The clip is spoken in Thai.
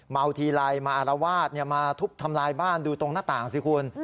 ทีไรมาอารวาสมาทุบทำลายบ้านดูตรงหน้าต่างสิคุณ